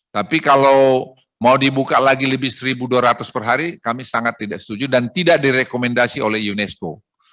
tapi kalau mau dibuka lagi lebih seribu dua ratus per hari kami sangat tidak setuju dan tidak direkomendasi oleh unesco